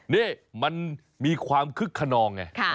นี่มันมีความคึกขนองไง